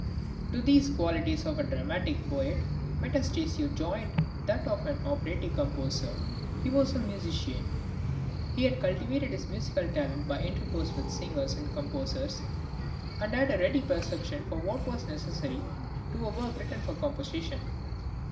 To these qualities of a dramatic poet, Metastasio joined that of an operatic composer; he was a musician. He had cultivated his musical talent by intercourse with singers and {OPERA SERIA.} (170) composers, and had a ready perception of what was necessary to a work written for composition.